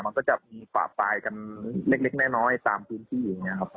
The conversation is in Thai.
มันก็จะมีฝ่าปลายกันเล็กน้อยตามพื้นที่อย่างนี้ครับ